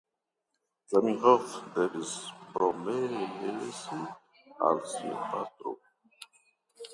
Zamenhof devis promesi al sia patro.